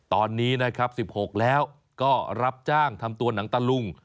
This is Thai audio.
ตอนนี้นะครับ๑๖แล้วก็รับจ้างทำตัวหนังตะลุง